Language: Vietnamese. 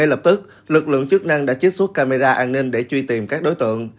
lực lượng chức năng đã chiếc suốt camera an ninh để truy tìm các đối tượng